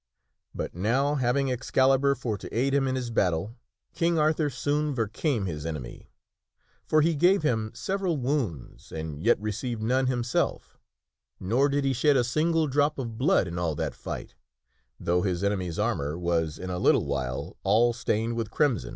But now, having Excalibur for to aid him in his battle, King Arthur soon vercame his enemy. For he gave him several wounds and yet re ceived none himself, nor did he shed a single drop of blood in all that fight, though his enemy's armor was in a little while all stained with crimson.